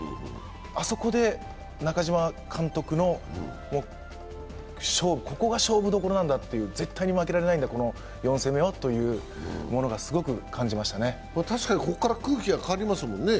あそこで中嶋監督の勝負、ここが勝負どころなんだという、絶対に負けられないんだ、この４戦目はというのを確かに、ここから空気が変わりましたもんね。